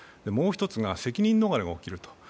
もう１つが責任逃れが起きると。